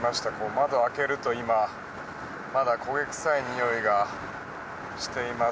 窓を開けると今、まだ焦げ臭いにおいがしています。